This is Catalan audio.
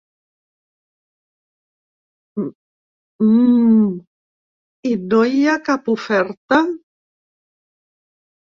Mm i no hi ha cap oferta?